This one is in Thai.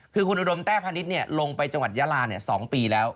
คือคุณอุดมแต้พาณิชย์ลงไปจังหวัดยาลา๒ปีแล้ว